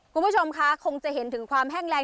คุณผู้ชมคะคงจะเห็นถึงความแห้งแรง